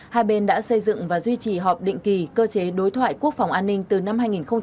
hai bên đã xây dựng và duy trì họp định kỳ cơ chế đối thoại quốc phòng an ninh từ năm hai nghìn một mươi sáu